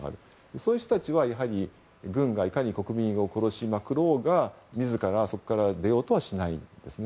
そういう人たちは軍がいかに国民を殺しまくろうが自ら出ようとはしないんですね。